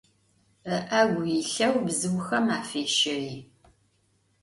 I'egu yilheu bzıuxem afêşei.